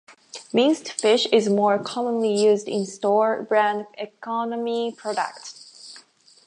Minced fish is more commonly used in store brand economy products.